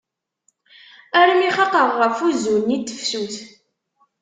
Armi xaqeɣ ɣef uzzu-nni n tefsut.